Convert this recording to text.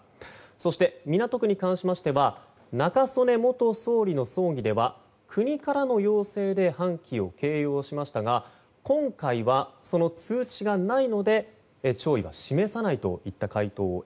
そして、港区に関しましては中曽根元総理の葬儀では国からの要請で半旗を掲揚しましたが今回はその通知がないので弔意は示さないといった回答です。